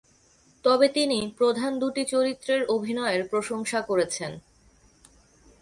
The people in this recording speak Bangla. তবে তিনি প্রধান দুটি চরিত্রের অভিনয়ের প্রশংসা করেছেন।